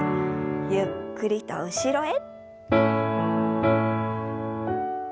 ゆっくりと後ろへ。